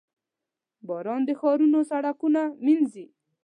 • باران د ښارونو سړکونه مینځي.